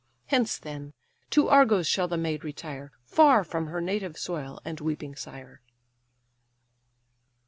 Hence then; to Argos shall the maid retire, Far from her native soil and weeping sire."